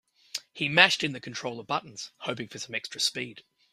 He mashed in the controller buttons, hoping for some extra speed.